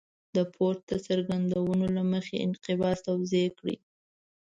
د پورته څرګندونو له مخې انقباض توضیح کړئ.